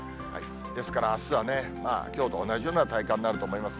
ですから、あすはね、きょうと同じような体感になると思います。